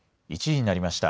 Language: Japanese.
１時になりました。